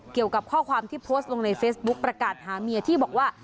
เกี่ยวกับข้อความที่โพสต์ลงในเฟซบุ๊คประกาศหาเมียที่บอกว่า